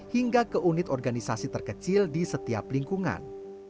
hingga ke unit organisasi terkecil di setiap lingkungan